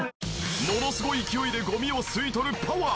ものすごい勢いでゴミを吸い取るパワー。